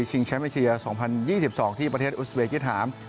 แชมป์เอเชีย๒๐๒๒ที่ประเทศอุสเบกิหาม